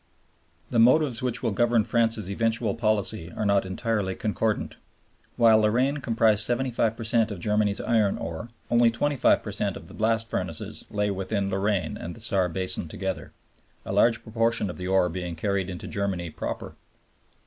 The motives which will govern France's eventual policy are not entirely concordant. While Lorraine comprised 75 per cent of Germany's iron ore, only 25 per cent of the blast furnaces lay within Lorraine and the Saar basin together, a large proportion of the ore being carried into Germany proper.